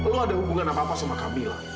lo ada hubungan apa apa sama camilla